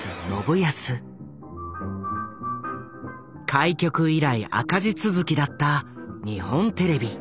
開局以来赤字続きだった日本テレビ。